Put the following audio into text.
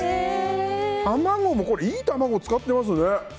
卵もいい卵を使ってますね。